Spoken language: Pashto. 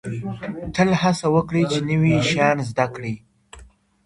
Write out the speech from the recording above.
تل هڅه وکړئ چي نوي شیان زده کړئ.